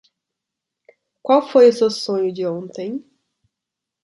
Qual foi o seu sonho de ontem?